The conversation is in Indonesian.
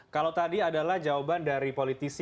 kalau tadi adalah jawaban dari politisi